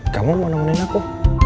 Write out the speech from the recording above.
kamu mau nemenin aku